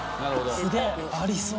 すげえありそう。